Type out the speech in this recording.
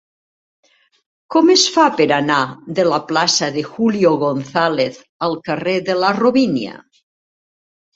Com es fa per anar de la plaça de Julio González al carrer de la Robínia?